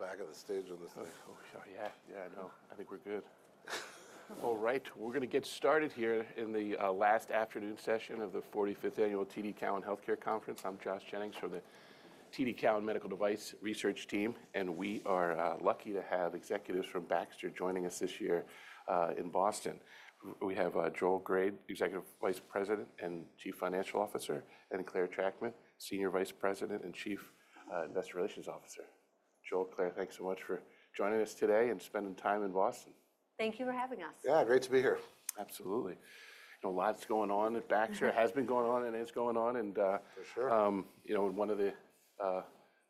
Falling off the back of the stage on this thing. Oh, yeah, I know. I think we're good. All right, we're going to get started here in the last afternoon session of the 45th Annual TD Cowen Healthcare Conference. I'm Josh Jennings from the TD Cowen Medical Device Research Team, and we are lucky to have executives from Baxter joining us this year in Boston. We have Joel Grade, Executive Vice President and Chief Financial Officer, and Clare Trachtman, Senior Vice President and Chief Investor Relations Officer. Joel, Clare, thanks so much for joining us today and spending time in Boston. Thank you for having us. Yeah, great to be here. Absolutely. You know, lots going on at Baxter. It has been going on, and it's going on. For sure. You know, one of the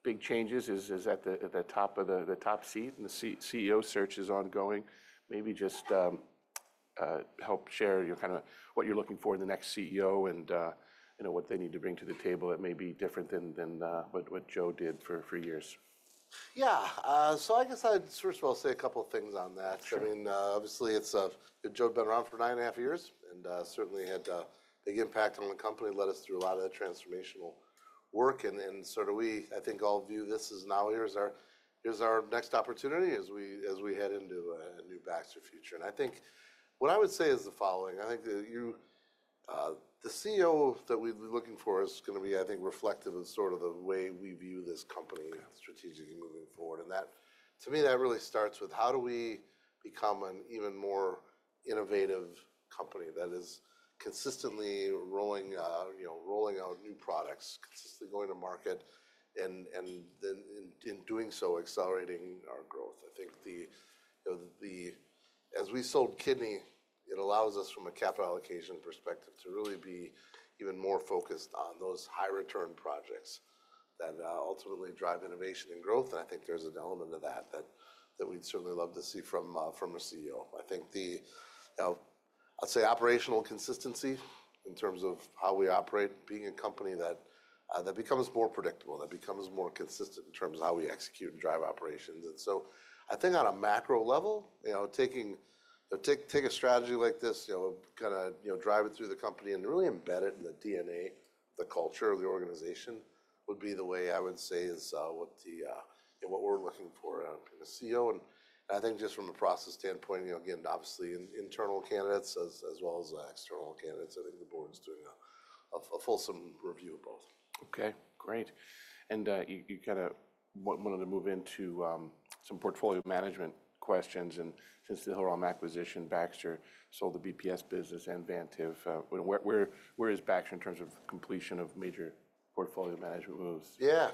big changes is at the top of the top seat, and the CEO search is ongoing. Maybe just help share kind of what you're looking for in the next CEO and what they need to bring to the table that may be different than what Joe did for years. Yeah, so I guess I'd first of all say a couple of things on that. I mean, obviously, Joe's been around for nine and a half years and certainly had a big impact on the company, led us through a lot of the transformational work. And sort of we, I think, all view this as now, here's our next opportunity as we head into a new Baxter future. And I think what I would say is the following. I think the CEO that we'd be looking for is going to be, I think, reflective of sort of the way we view this company strategically moving forward. And that, to me, that really starts with how do we become an even more innovative company that is consistently rolling out new products, consistently going to market, and in doing so, accelerating our growth. I think as we sold Vantive, it allows us, from a capital allocation perspective, to really be even more focused on those high-return projects that ultimately drive innovation and growth. I think there's an element of that that we'd certainly love to see from a CEO. I think the, I'll say, operational consistency in terms of how we operate, being a company that becomes more predictable, that becomes more consistent in terms of how we execute and drive operations. I think on a macro level, taking a strategy like this, kind of drive it through the company and really embed it in the DNA, the culture of the organization, would be the way I would say is what we're looking for in a CEO. I think just from a process standpoint, again, obviously, internal candidates as well as external candidates, I think the board's doing a fulsome review of both. Okay, great. And you kind of wanted to move into some portfolio management questions. And since the Hillrom acquisition, Baxter sold the BPS business and Vantive. Where is Baxter in terms of completion of major portfolio management moves? Yeah,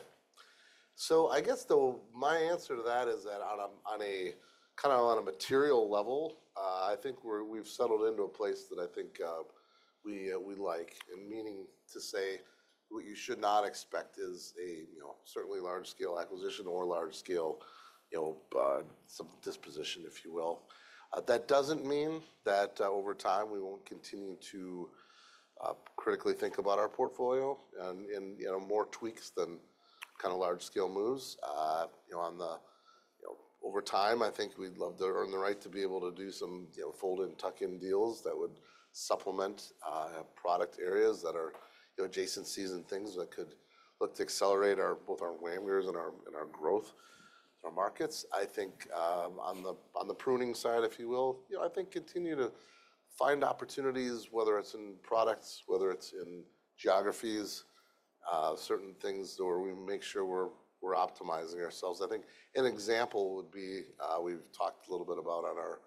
so I guess, though, my answer to that is that on a kind of material level, I think we've settled into a place that I think we like. And meaning to say what you should not expect is a certainly large-scale acquisition or large-scale disposition, if you will. That doesn't mean that over time we won't continue to critically think about our portfolio and more tweaks than kind of large-scale moves. Over time, I think we'd love to earn the right to be able to do some fold-in, tuck-in deals that would supplement product areas that are adjacencies and things that could look to accelerate both our margins and our growth in our markets. I think on the pruning side, if you will, I think continue to find opportunities, whether it's in products, whether it's in geographies, certain things where we make sure we're optimizing ourselves. I think an example would be we've talked a little bit about on our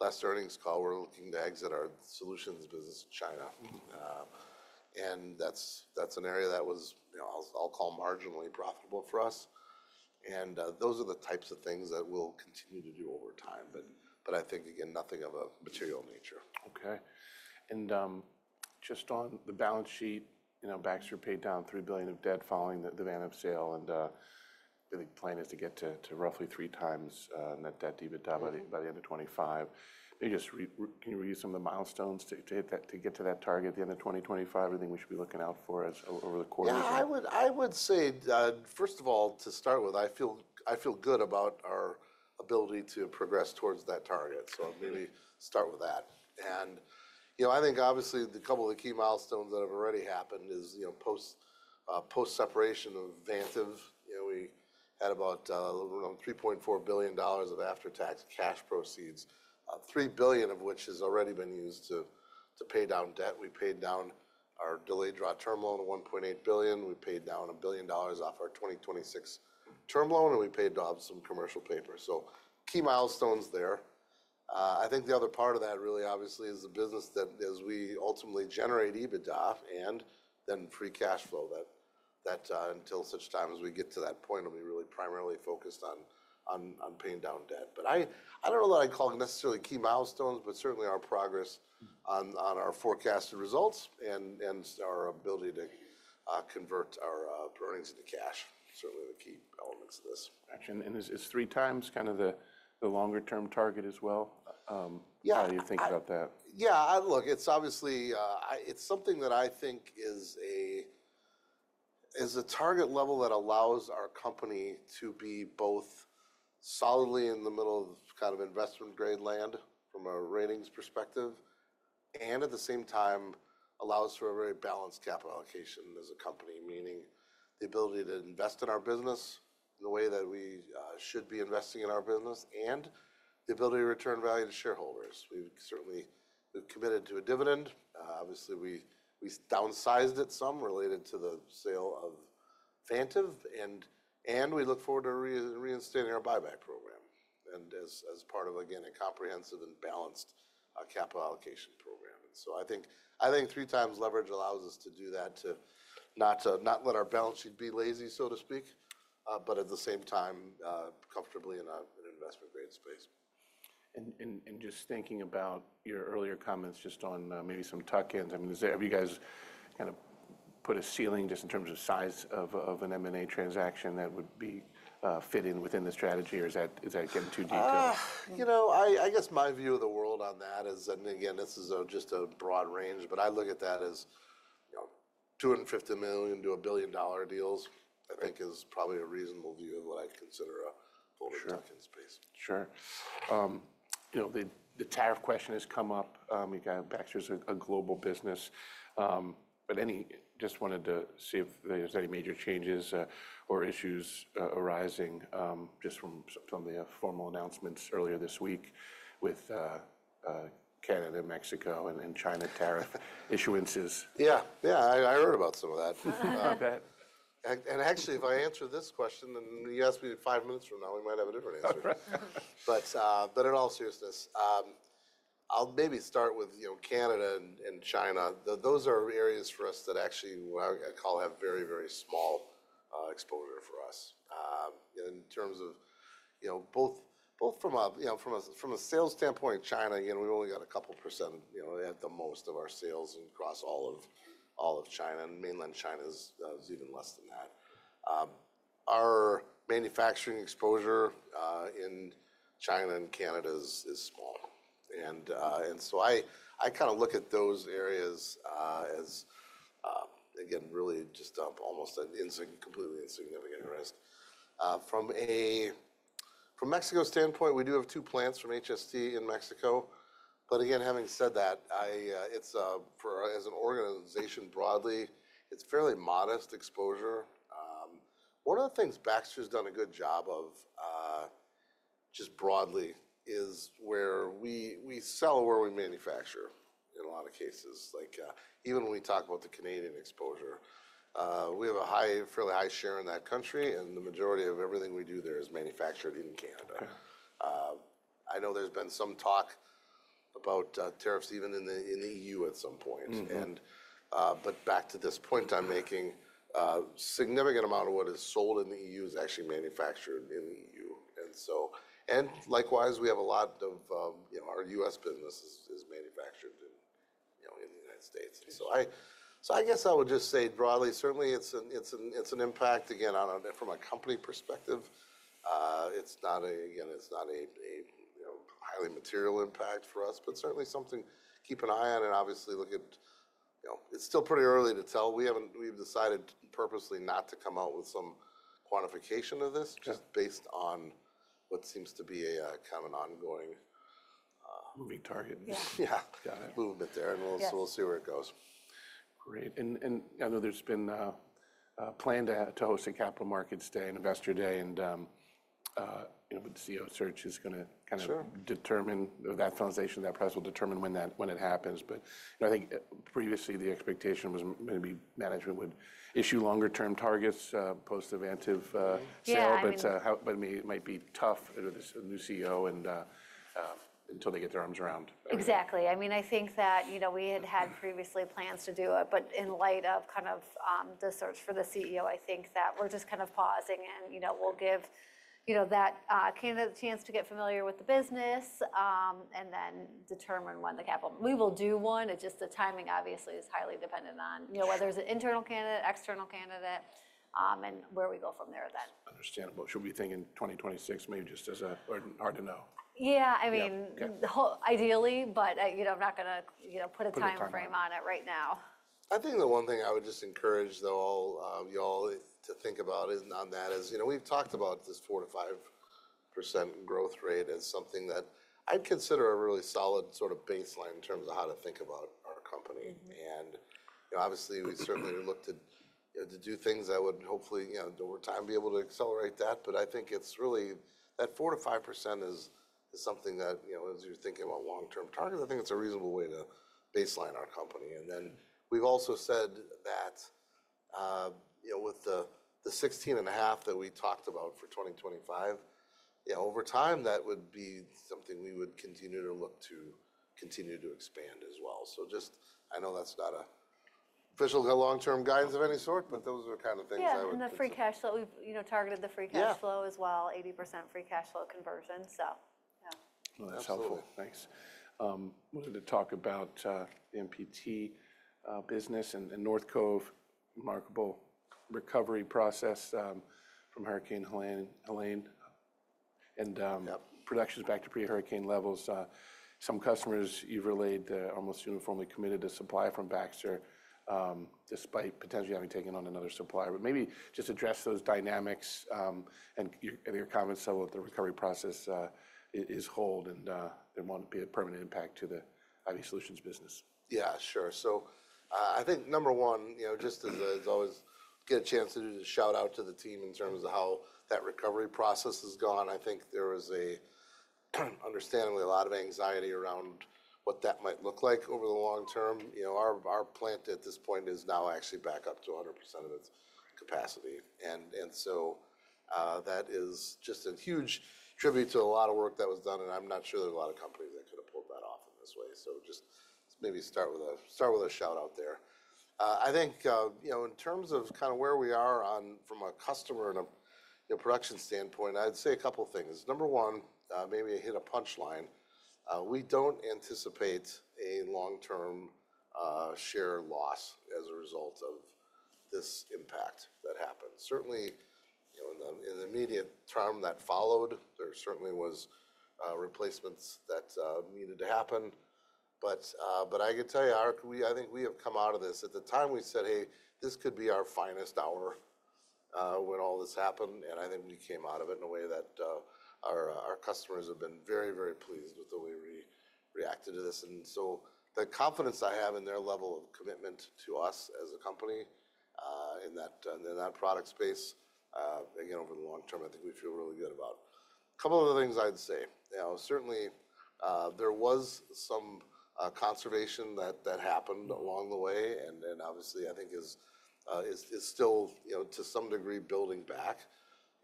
last earnings call, we're looking to exit our solutions business in China. And that's an area that was, I'll call, marginally profitable for us. And those are the types of things that we'll continue to do over time. But I think, again, nothing of a material nature. Okay. And just on the balance sheet, Baxter paid down $3 billion of debt following the Vantive sale. And I think the plan is to get to roughly three times net debt/EBITDA by the end of 2025. Can you read some of the milestones to get to that target at the end of 2025? Anything we should be looking out for over the course? Yeah, I would say, first of all, to start with, I feel good about our ability to progress towards that target. So I'll maybe start with that. And I think, obviously, a couple of the key milestones that have already happened is post-separation of Vantive. We had about $3.4 billion of after-tax cash proceeds, $3 billion of which has already been used to pay down debt. We paid down our Delayed Draw Term Loan of $1.8 billion. We paid down $1 billion off our 2026 term loan. And we paid off some commercial paper. So key milestones there. I think the other part of that really, obviously, is the business that as we ultimately generate EBITDA and then free cash flow that until such time as we get to that point, it'll be really primarily focused on paying down debt. But I don't know that I'd call it necessarily key milestones, but certainly our progress on our forecasted results and our ability to convert our earnings into cash, certainly the key elements of this. And is three times kind of the longer-term target as well? How do you think about that? Yeah, look, it's obviously something that I think is a target level that allows our company to be both solidly in the middle of kind of investment-grade lane from a ratings perspective and at the same time allows for a very balanced capital allocation as a company, meaning the ability to invest in our business in the way that we should be investing in our business and the ability to return value to shareholders. We've certainly committed to a dividend. Obviously, we downsized it some related to the sale of Vantive, and we look forward to reinstating our buyback program and as part of, again, a comprehensive and balanced capital allocation program, and so I think three times leverage allows us to do that, to not let our balance sheet be lazy, so to speak, but at the same time comfortably in an investment-grade space. Just thinking about your earlier comments just on maybe some tuck-ins, I mean, have you guys kind of put a ceiling just in terms of size of an M&A transaction that would be fitting within the strategy? Or is that, again, too detailed? You know, I guess my view of the world on that is, and again, this is just a broad range, but I look at that as $250 million-$1 billion deals, I think, is probably a reasonable view of what I'd consider a fold-in, tuck-in space. Sure. The tariff question has come up. Baxter's a global business. But just wanted to see if there's any major changes or issues arising just from some of the formal announcements earlier this week with Canada and Mexico and China tariff issuances. Yeah, yeah, I heard about some of that and actually, if I answer this question, then you ask me five minutes from now, we might have a different answer. But in all seriousness, I'll maybe start with Canada and China. Those are areas for us that actually I call have very, very small exposure for us in terms of both from a sales standpoint. China, again, we've only got a couple% at the most of our sales across all of China. And mainland China's even less than that. Our manufacturing exposure in China and Canada is small. And so I kind of look at those areas as, again, really just almost a completely insignificant risk. From a Mexico standpoint, we do have two plants from HST in Mexico. But again, having said that, as an organization broadly, it's fairly modest exposure. One of the things Baxter's done a good job of just broadly is where we sell or where we manufacture in a lot of cases. Even when we talk about the Canadian exposure, we have a fairly high share in that country, and the majority of everything we do there is manufactured in Canada. I know there's been some talk about tariffs even in the EU at some point, but back to this point I'm making, a significant amount of what is sold in the EU is actually manufactured in the EU, and likewise, we have a lot of our U.S. business is manufactured in the United States, and so I guess I would just say broadly, certainly it's an impact, again, from a company perspective, again, it's not a highly material impact for us, but certainly something to keep an eye on. Obviously, look, it's still pretty early to tell. We've decided purposely not to come out with some quantification of this just based on what seems to be kind of an ongoing. Moving target. Yeah. Got it. Movement there. And we'll see where it goes. Great. And I know there's been a plan to host a Capital Markets Day and Investor Day. And the CEO search is going to kind of determine that conversation, that process will determine when it happens. But I think previously the expectation was maybe management would issue longer-term targets post the Vantive sale. But it might be tough with this new CEO until they get their arms around. Exactly. I mean, I think that we had had previously plans to do it, but in light of kind of the search for the CEO, I think that we're just kind of pausing, and we'll give Canada the chance to get familiar with the business and then determine when the Capital Markets Day, we will do one. Just the timing, obviously, is highly dependent on whether it's an internal candidate, external candidate, and where we go from there then. Understandable. She'll be thinking 2026, maybe just as hard to know. Yeah, I mean, ideally, but I'm not going to put a time frame on it right now. I think the one thing I would just encourage, though, all y'all to think about on that is we've talked about this 4%-5% growth rate as something that I'd consider a really solid sort of baseline in terms of how to think about our company. And obviously, we certainly look to do things that would hopefully, over time, be able to accelerate that. But I think it's really that 4%-5% is something that, as you're thinking about long-term targets, I think it's a reasonable way to baseline our company. And then we've also said that with the 16.5% that we talked about for 2025, over time, that would be something we would continue to look to continue to expand as well. So just I know that's not official long-term guidance of any sort, but those are kind of things I would. Yeah, and the free cash flow, we've targeted the free cash flow as well, 80% free cash flow conversion. So yeah. That's helpful. Thanks. I wanted to talk about the MPT business and North Cove, remarkable recovery process from Hurricane Helene. Production's back to pre-hurricane levels. Some customers you've relayed almost uniformly committed to supply from Baxter despite potentially having taken on another supplier. But maybe just address those dynamics and your comments about the recovery process still hold and there won't be a permanent impact to the IV solutions business. Yeah, sure. So I think number one, just as always, get a chance to do the shout-out to the team in terms of how that recovery process has gone. I think there was understandably a lot of anxiety around what that might look like over the long term. Our plant at this point is now actually back up to 100% of its capacity. And so that is just a huge tribute to a lot of work that was done. And I'm not sure there are a lot of companies that could have pulled that off in this way. So just maybe start with a shout-out there. I think in terms of kind of where we are from a customer and a production standpoint, I'd say a couple of things. Number one, maybe I hit a punchline. We don't anticipate a long-term share loss as a result of this impact that happened. Certainly, in the immediate term that followed, there certainly was replacements that needed to happen. But I could tell you, Art, I think we have come out of this. At the time, we said, "Hey, this could be our finest hour when all this happened." And I think we came out of it in a way that our customers have been very, very pleased with the way we reacted to this. And so the confidence I have in their level of commitment to us as a company in that product space, again, over the long term, I think we feel really good about. A couple of other things I'd say. Certainly, there was some conservation that happened along the way. And obviously, I think is still to some degree building back.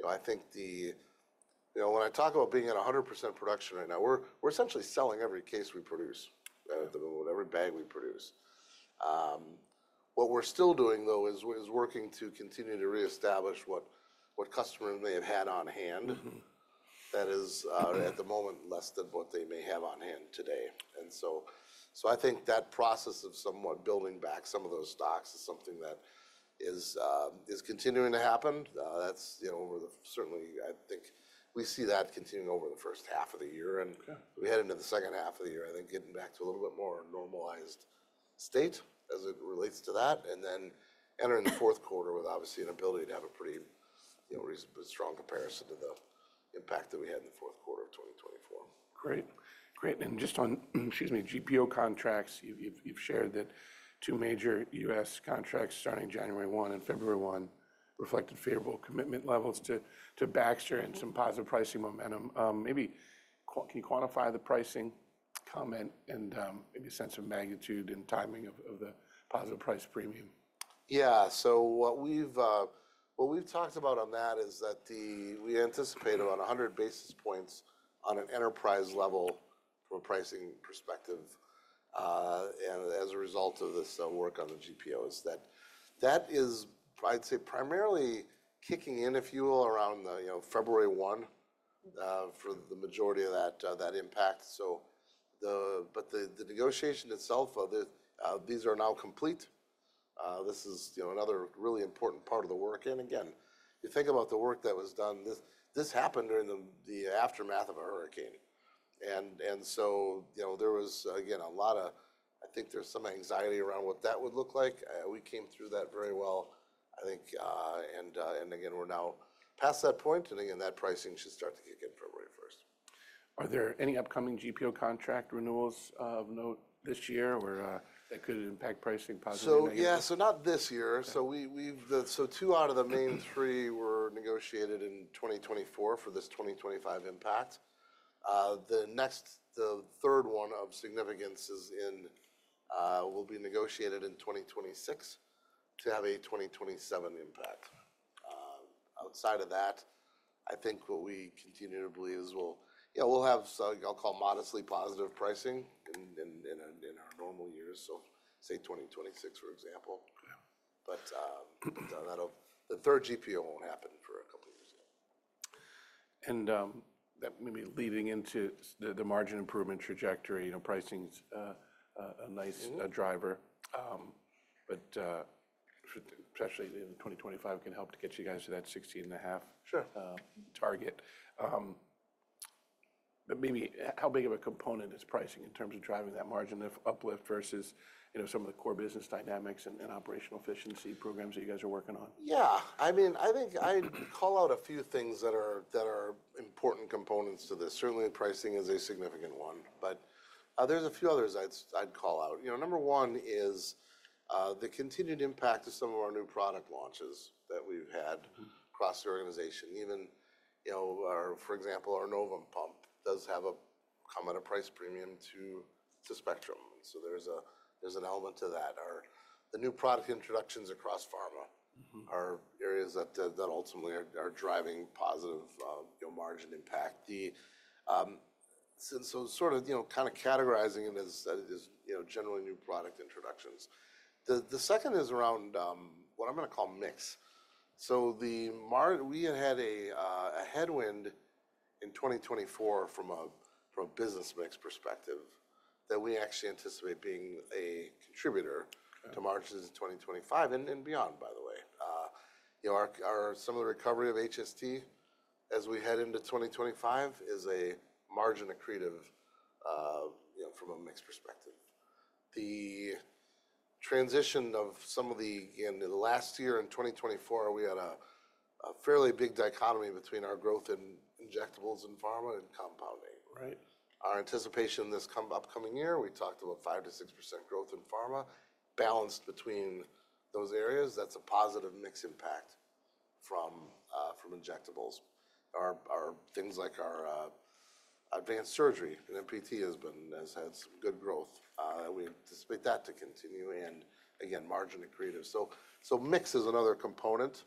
I think when I talk about being at 100% production right now, we're essentially selling every case we produce, every bag we produce. What we're still doing, though, is working to continue to reestablish what customers may have had on hand that is at the moment less than what they may have on hand today, and so I think that process of somewhat building back some of those stocks is something that is continuing to happen. Certainly, I think we see that continuing over the first half of the year, and we head into the second half of the year, I think, getting back to a little bit more normalized state as it relates to that, and then entering the fourth quarter with, obviously, an ability to have a pretty reasonably strong comparison to the impact that we had in the fourth quarter of 2024. Great. Great. And just on, excuse me, GPO contracts, you've shared that two major U.S. contracts starting January 1 and February 1 reflected favorable commitment levels to Baxter and some positive pricing momentum. Maybe can you quantify the pricing comment and maybe a sense of magnitude and timing of the positive price premium? Yeah. So what we've talked about on that is that we anticipate around 100 basis points on an enterprise level from a pricing perspective. And as a result of this work on the GPOs, that is, I'd say, primarily kicking in, if you will, around February 1 for the majority of that impact. But the negotiation itself, these are now complete. This is another really important part of the work. And again, if you think about the work that was done, this happened during the aftermath of a hurricane. And so there was, again, a lot of, I think there's some anxiety around what that would look like. We came through that very well, I think. And again, we're now past that point. And again, that pricing should start to kick in February 1st. Are there any upcoming GPO contract renewals of note this year that could impact pricing positively? So yeah, so not this year. So two out of the main three were negotiated in 2024 for this 2025 impact. The third one of significance will be negotiated in 2026 to have a 2027 impact. Outside of that, I think what we continue to believe is we'll have, I'll call, modestly positive pricing in our normal years. So say 2026, for example. But the third GPO won't happen for a couple of years yet. And maybe leading into the margin improvement trajectory, pricing's a nice driver. But especially in 2025, it can help to get you guys to that 16.5% target. But maybe how big of a component is pricing in terms of driving that margin uplift versus some of the core business dynamics and operational efficiency programs that you guys are working on? Yeah. I mean, I think I'd call out a few things that are important components to this. Certainly, pricing is a significant one. But there's a few others I'd call out. Number one is the continued impact of some of our new product launches that we've had across the organization. For example, our Novum pump does come at a price premium to Spectrum. So there's an element to that. The new product introductions across pharma are areas that ultimately are driving positive margin impact. So sort of kind of categorizing it as generally new product introductions. The second is around what I'm going to call mix. So we had had a headwind in 2024 from a business mix perspective that we actually anticipate being a contributor to margins in 2025 and beyond, by the way. Some of the recovery of HST as we head into 2025 is margin-accretive from a mix perspective. The transition of some of the, again, last year in 2024, we had a fairly big dichotomy between our growth in injectables in pharma and compounding. Our anticipation this upcoming year, we talked about 5%-6% growth in pharma, balanced between those areas. That's a positive mix impact from injectables. Things like our Advanced Surgery in MPT has had some good growth. We anticipate that to continue and, again, margin-accretive. So mix is another component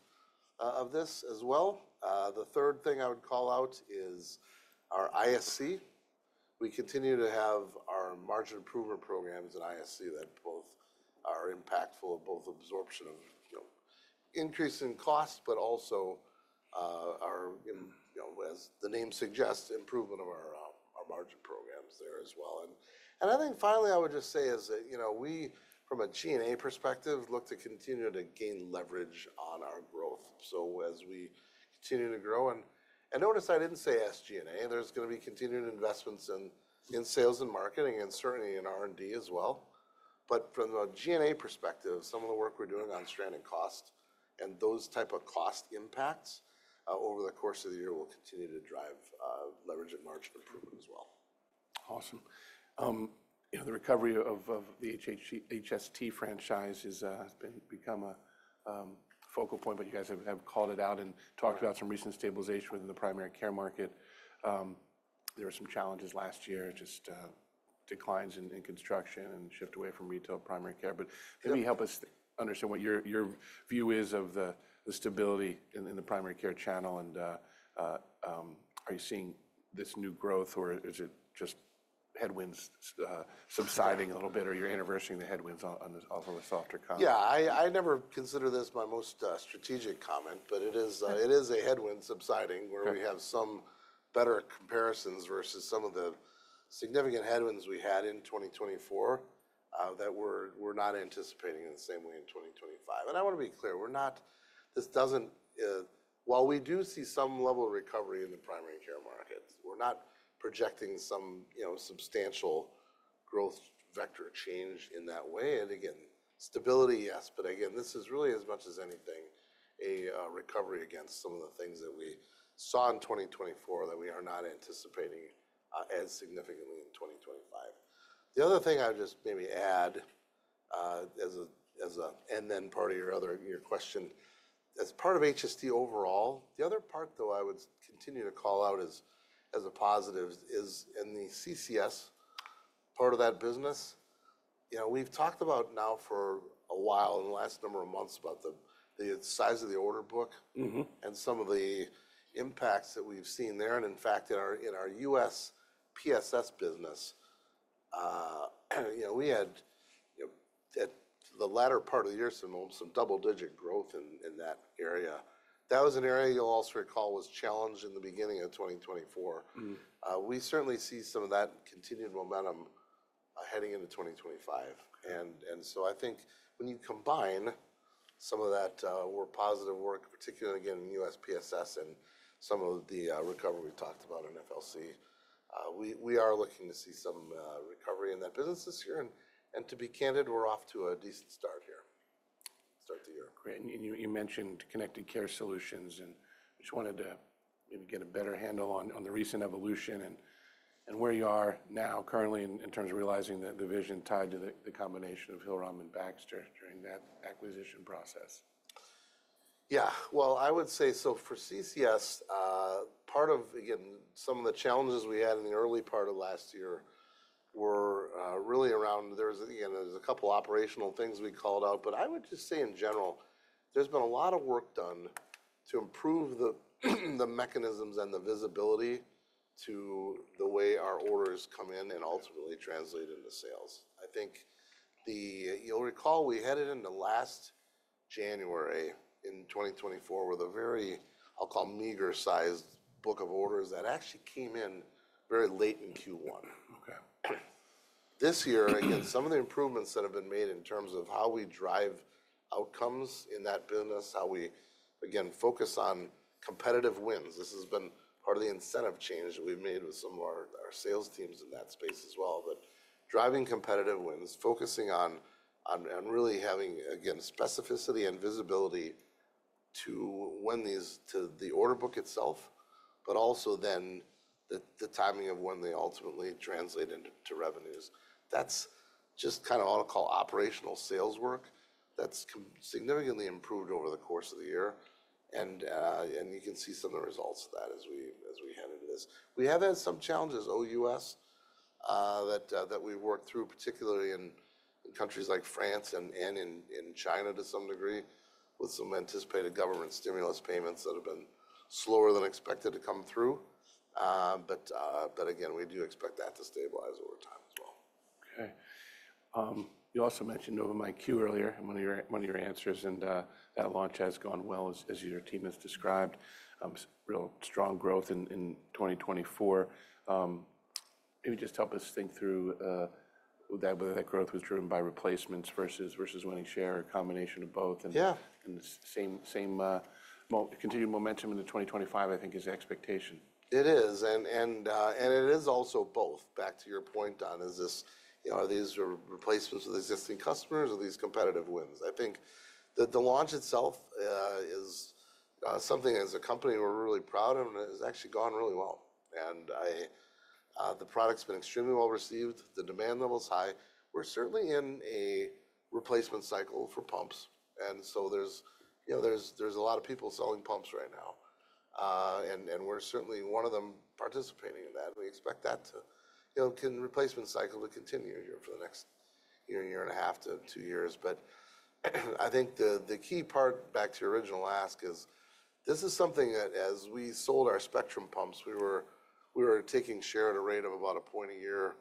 of this as well. The third thing I would call out is our ISC. We continue to have our margin improvement programs in ISC that are impactful of both absorption of increase in cost, but also, as the name suggests, improvement of our margin programs there as well. And I think finally I would just say is that we, from a G&A perspective, look to continue to gain leverage on our growth. So as we continue to grow, and notice I didn't say SG&A, there's going to be continued investments in sales and marketing and certainly in R&D as well. But from a G&A perspective, some of the work we're doing on stranded cost and those type of cost impacts over the course of the year will continue to drive leverage and margin improvement as well. Awesome. The recovery of the HST franchise has become a focal point, but you guys have called it out and talked about some recent stabilization within the primary care market. There were some challenges last year, just declines in construction and shift away from retail primary care, but maybe help us understand what your view is of the stability in the primary care channel, and are you seeing this new growth or is it just headwinds subsiding a little bit or you're abating the headwinds off of a softer comp? Yeah. I never consider this my most strategic comment, but it is a headwind subsiding where we have some better comparisons versus some of the significant headwinds we had in 2024 that we're not anticipating in the same way in 2025. And I want to be clear, this doesn't, while we do see some level of recovery in the primary care market, we're not projecting some substantial growth vector change in that way. And again, stability, yes. But again, this is really, as much as anything, a recovery against some of the things that we saw in 2024 that we are not anticipating as significantly in 2025. The other thing I would just maybe add as an end to that part of your question, as part of HST overall, the other part, though, I would continue to call out as a positive is in the CCS part of that business. We've talked about now for a while in the last number of months about the size of the order book and some of the impacts that we've seen there, and in fact, in our U.S. PSS business, we had, at the latter part of the year, some double-digit growth in that area. That was an area you'll also recall was challenged in the beginning of 2024. We certainly see some of that continued momentum heading into 2025, and so I think when you combine some of that positive work, particularly, again, in U.S. PSS and some of the recovery we talked about in FLC, we are looking to see some recovery in that business this year, and to be candid, we're off to a decent start here, start the year. Great. And you mentioned Connected Care Solutions, and just wanted to maybe get a better handle on the recent evolution and where you are now currently in terms of realizing the vision tied to the combination of Hillrom and Baxter during that acquisition process. Yeah, well, I would say so for CCS, part of, again, some of the challenges we had in the early part of last year were really around, again, there's a couple of operational things we called out. But I would just say in general, there's been a lot of work done to improve the mechanisms and the visibility to the way our orders come in and ultimately translate into sales. I think you'll recall we headed into last January in 2024 with a very, I'll call, meager-sized book of orders that actually came in very late in Q1. This year, again, some of the improvements that have been made in terms of how we drive outcomes in that business, how we, again, focus on competitive wins. This has been part of the incentive change that we've made with some of our sales teams in that space as well. But driving competitive wins, focusing on really having, again, specificity and visibility to the order book itself, but also then the timing of when they ultimately translate into revenues. That's just kind of what I'll call operational sales work that's significantly improved over the course of the year. And you can see some of the results of that as we head into this. We have had some challenges OUS that we've worked through, particularly in countries like France and in China to some degree with some anticipated government stimulus payments that have been slower than expected to come through. But again, we do expect that to stabilize over time as well. Okay. You also mentioned Novum IQ earlier, one of your answers, and that launch has gone well as your team has described. Real strong growth in 2024. Maybe just help us think through whether that growth was driven by replacements versus winning share or a combination of both, and same continued momentum into 2025, I think, is expectation. It is. And it is also both. Back to your point on, are these replacements with existing customers or these competitive wins? I think the launch itself is something as a company we're really proud of and has actually gone really well. And the product's been extremely well received. The demand level's high. We're certainly in a replacement cycle for pumps. And so there's a lot of people selling pumps right now. And we're certainly one of them participating in that. We expect that replacement cycle to continue here for the next year, year and a half to two years. But I think the key part, back to your original ask, is this is something that as we sold our Spectrum pumps, we were taking share at a rate of about a point a year.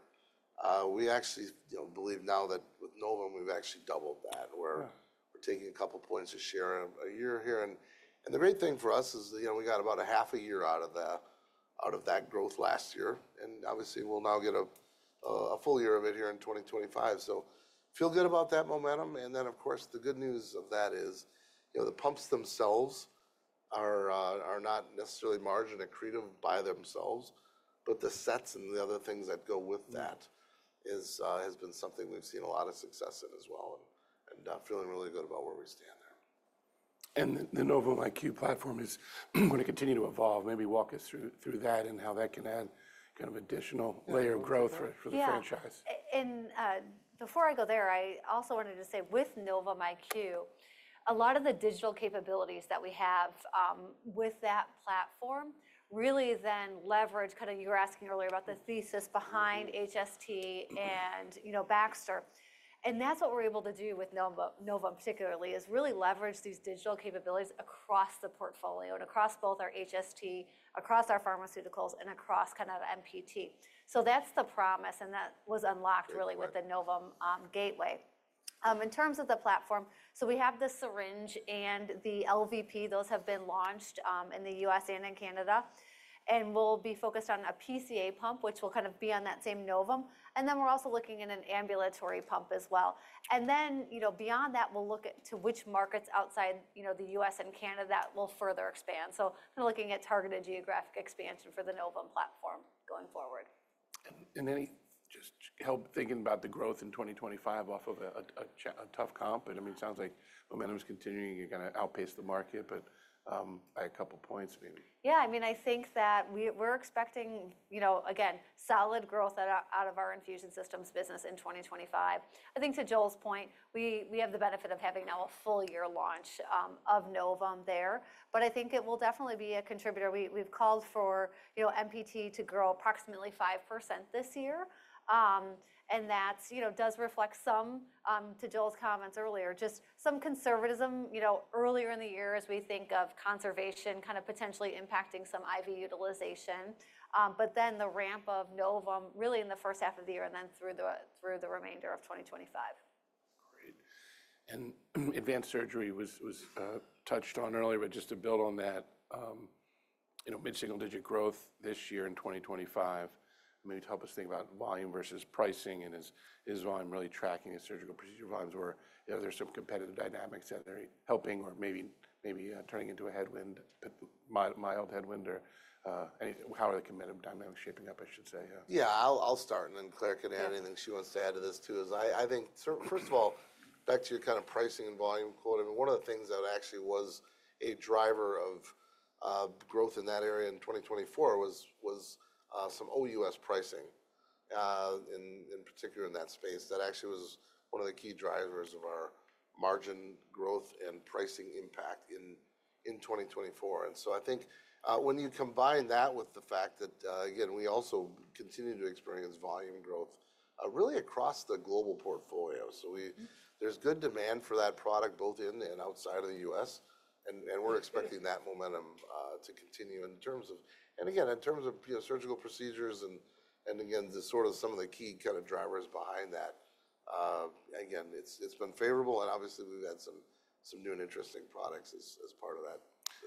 We actually believe now that with Novum, we've actually doubled that. We're taking a couple points of share a year here. And the great thing for us is we got about a half a year out of that growth last year. And obviously, we'll now get a full year of it here in 2025. So feel good about that momentum. And then, of course, the good news of that is the pumps themselves are not necessarily margin accretive by themselves, but the sets and the other things that go with that has been something we've seen a lot of success in as well. And feeling really good about where we stand there. The Novum IQ platform is going to continue to evolve. Maybe walk us through that and how that can add kind of additional layer of growth for the franchise? Yeah. And before I go there, I also wanted to say with Novum IQ, a lot of the digital capabilities that we have with that platform really then leverage kind of you were asking earlier about the thesis behind HST and Baxter. And that's what we're able to do with Novum particularly is really leverage these digital capabilities across the portfolio and across both our HST, across our pharmaceuticals, and across kind of MPT. So that's the promise. And that was unlocked really with the Novum Gateway. In terms of the platform, so we have the syringe and the LVP. Those have been launched in the U.S. and in Canada. And we'll be focused on a PCA pump, which will kind of be on that same Novum. And then we're also looking at an ambulatory pump as well. Then beyond that, we'll look to which markets outside the U.S. and Canada that will further expand. Kind of looking at targeted geographic expansion for the Novum platform going forward. Any just help thinking about the growth in 2025 off of a tough comp? I mean, it sounds like momentum's continuing. You're going to outpace the market. A couple points maybe. Yeah. I mean, I think that we're expecting, again, solid growth out of our infusion systems business in 2025. I think to Joel's point, we have the benefit of having now a full year launch of Novum there. But I think it will definitely be a contributor. We've called for MPT to grow approximately 5% this year, and that does reflect some of Joel's comments earlier, just some conservatism earlier in the year as we think of conservation kind of potentially impacting some IV utilization. But then the ramp of Novum really in the first half of the year and then through the remainder of 2025. Great. And Advanced Surgery was touched on earlier, but just to build on that, mid-single digit growth this year in 2025, maybe to help us think about volume versus pricing and is volume really tracking the surgical procedure volumes or are there some competitive dynamics that are helping or maybe turning into a headwind, mild headwind, or how are the competitive dynamics shaping up, I should say? Yeah. I'll start. And then Clare can add anything she wants to add to this too. I think, first of all, back to your kind of pricing and volume quote, one of the things that actually was a driver of growth in that area in 2024 was some OUS pricing, in particular in that space. That actually was one of the key drivers of our margin growth and pricing impact in 2024. And so I think when you combine that with the fact that, again, we also continue to experience volume growth really across the global portfolio. So there's good demand for that product both in and outside of the U.S. And we're expecting that momentum to continue in terms of, and again, in terms of surgical procedures and, again, sort of some of the key kind of drivers behind that. Again, it's been favorable. Obviously, we've had some new and interesting products as part of that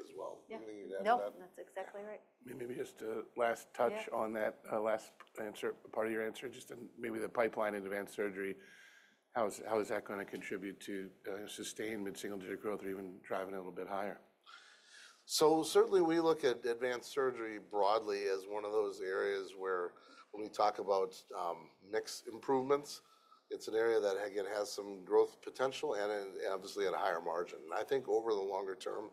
as well. Yeah. Nope. That's exactly right. Maybe just a last touch on that last part of your answer, just maybe the pipeline and Advanced Surgery, how is that going to contribute to sustained mid-single digit growth or even driving it a little bit higher? So certainly, we look at Advanced Surgery broadly as one of those areas where when we talk about mixed improvements, it's an area that, again, has some growth potential and obviously at a higher margin. And I think over the longer term,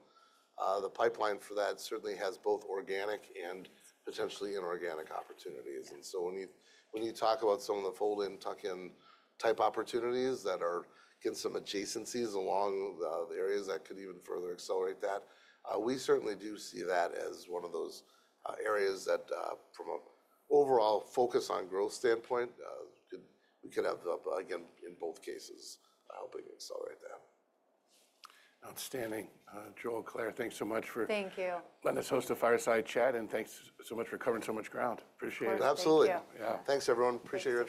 the pipeline for that certainly has both organic and potentially inorganic opportunities. And so when you talk about some of the fold-in, tuck-in type opportunities that are getting some adjacencies along the areas that could even further accelerate that, we certainly do see that as one of those areas that from an overall focus on growth standpoint, we could have, again, in both cases, helping accelerate that. Outstanding. Joel, Clare, thanks so much for. Thank you. Letting us host a fireside chat and thanks so much for covering so much ground. Appreciate it. Absolutely. Yeah. Thanks, everyone. Appreciate it.